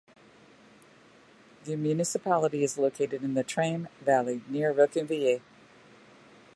The municipality is located in the Trame valley near Reconvilier.